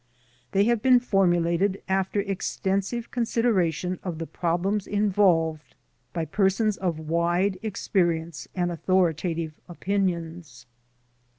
They have been formulated after extensive consideration of the problems involved by persons of wide experience and authoritative opinions.